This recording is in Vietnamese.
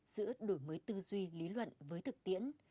giữa đổi mới tư duy lý luận với thực tiễn